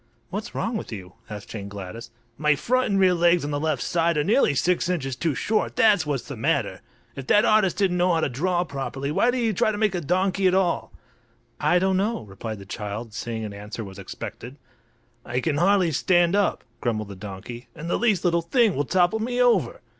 "What's wrong with you?" asked Jane Gladys. "My front and rear legs on the left side are nearly six inches too short, that's what's the matter! If that artist didn't know how to draw properly why did he try to make a donkey at all?" "I don't know," replied the child, seeing an answer was expected. "I can hardly stand up," grumbled the donkey; "and the least little thing will topple me over."